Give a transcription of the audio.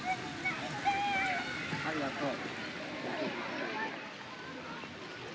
ありがとう。